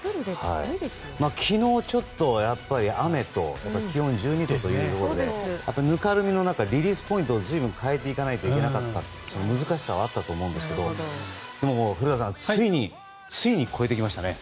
昨日、ちょっとやっぱり雨と気温１２度ということでぬかるみの中リリースポイントを随分、変えていかないといけなかったという難しさはあったと思いますが古田さん、ついに超えてきましたね